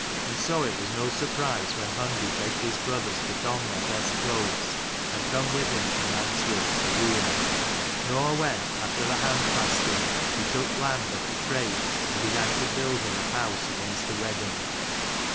And so it was no surprise when Hundi begged his brothers to don their best clothes and come with him to Mansriggs awooing : nor when, after the handfasting, he took land up the Crake, and began to build him a house against the wedding.